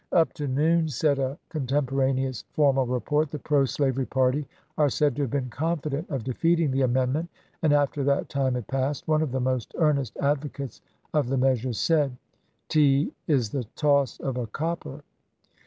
" Up to noon," said a con temporaneous formal report, " the pro slavery party are said to have been confident of defeating the amendment, and, after that time had passed, one of the most earnest advocates of the measure said, ' 'T is the toss of a copper.'